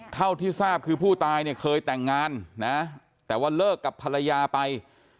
เท่าที่ทราบคือผู้ตายเนี่ยเคยแต่งงานนะแต่ว่าเลิกกับภรรยาไป